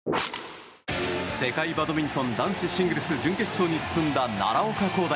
世界バドミントン男子シングルス準決勝に進んだ奈良岡功大。